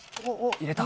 入れた。